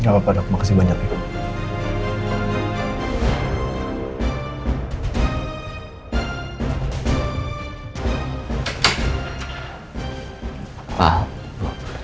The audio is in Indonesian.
gak apa apa dokter makasih banyak ibu